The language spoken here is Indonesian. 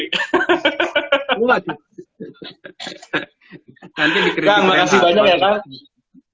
kak makasih banyak ya kak